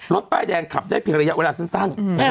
ป้ายแดงขับได้เพียงระยะเวลาสั้น